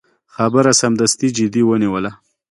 خبره سمدستي جدي ونیوله.